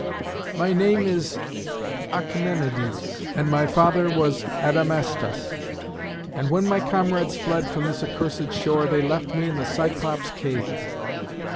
My name is Achæmenides, and my father was Adamastus. And when my comrades fled from this accursed shore they left me in the Cyclops' cave.